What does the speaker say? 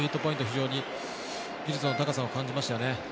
非常に技術の高さを感じましたよね。